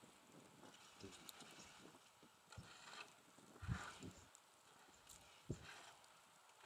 তিনি পশ্চিমবঙ্গ বিধানসভায় দশবার বিধায়ক হিসেবে নির্বাচিত হয়েছেন।